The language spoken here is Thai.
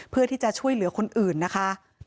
เพื่อที่จะช่วยเหลือคนอื่นนะคะ